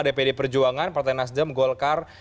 ada pd perjuangan partai nasdem golkar